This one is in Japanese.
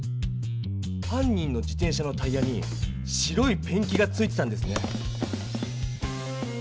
犯人の自転車のタイヤに白いペンキがついてたんですね。